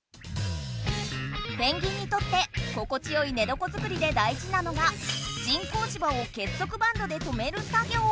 ペンギンにとって心地よいねどこ作りでだいじなのが人工芝を結束バンドでとめる作業。